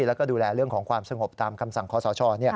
แล้วก็ดูแลเรื่องของความสงบตามคำสั่งขอสช